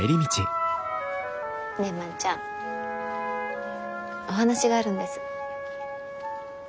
ねえ万ちゃんお話があるんです。